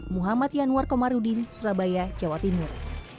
muhammad yanwar komarudin surabaya jawa timur